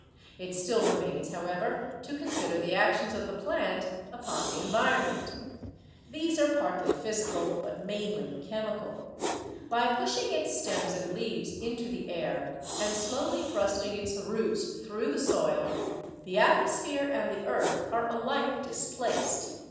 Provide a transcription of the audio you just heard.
It still remains, how ever, to consider the actions of the plant upon the environ ment. These are partly physical, but mainly chemical. By pushing its stems and leaves into the air and slowly thrust ing its roots through the soil, the atmosphere and the earth are alike displaced.